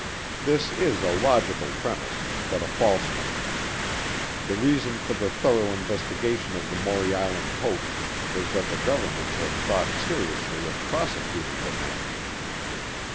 This is a logical premise, but a false one. The reason for the thorough investigation of the Maury Island Hoax was that the government had thought seriously of prosecuting the men.